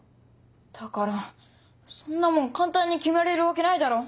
だからそんなもん簡単に決められるわけないだろ。